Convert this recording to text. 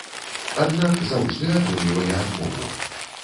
Аднак заўжды атрымлівалі адмову.